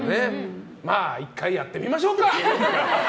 まあ１回やってみましょうか。